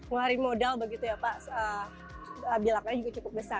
ngelari modal begitu ya pak bilangnya juga cukup besar